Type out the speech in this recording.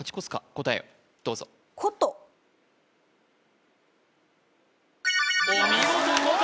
答えをどうぞお見事琴！